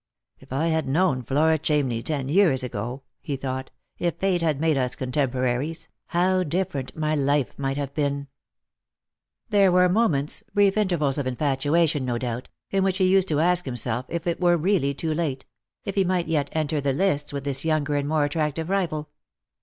" If I had known Flora Chamney ten years ago," he thought, "if Fate had made us contemporaries, how different my life might have been !" There were moments — brief intervals of infatuation no doubt 120 Lost jor Love. — in which lie used to ask himself if it were really too late ; if he might not yet enter the lists with this younger and more attractive rival.